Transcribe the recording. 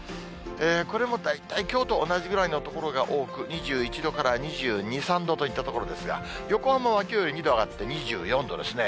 これも大体きょうと同じぐらいの所が多く、２１度から２２、３度といったところですが、横浜はきょうより２度上がって２４度ですね。